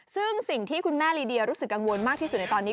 ซึ่งสิ่งที่คุณแม่ลีเดียรู้สึกกังวลมากที่สุดในตอนนี้